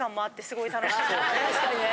確かにね！